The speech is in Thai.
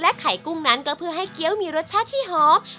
ไข่กุ้งนั้นก็เพื่อให้เกี้ยวมีรสชาติที่หอม